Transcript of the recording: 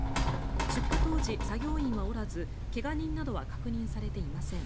出火当時、作業員はおらず怪我人などは確認されていません。